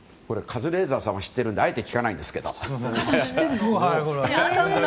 カズレーザーさんは知っているのであえて聞かないんですけど。